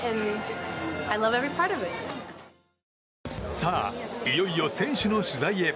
さあ、いよいよ選手の取材へ。